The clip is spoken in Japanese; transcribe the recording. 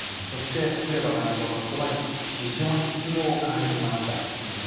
そして、クレバ外相の言葉に非常に失望を感じました。